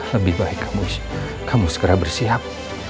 lebih baik kamu kamu segera bersiap